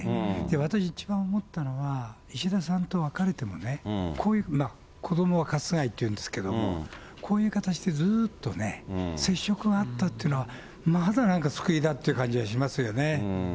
私、一番思ったのは、石田さんと別れてもね、こういう、子どもはかすがいっていうんですけど、こういう形でずっとね、接触があったというのは、まだなんか救いだって気はしますよね。